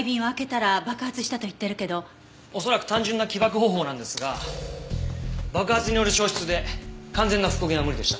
恐らく単純な起爆方法なんですが爆発による消失で完全な復元は無理でした。